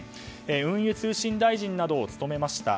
運輸通信大臣などを務めました。